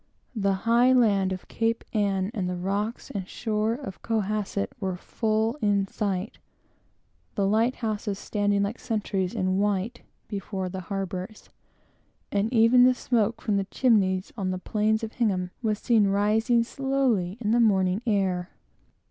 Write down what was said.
The high land of Cape Ann and the rocks and shore of Cohasset were full in sight, the lighthouses, standing like sentries in white before the harbors, and even the smoke from the chimney on the plains of Hingham was seen rising slowly in the morning air.